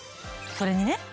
それにね